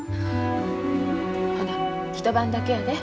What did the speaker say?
ほな一晩だけやで。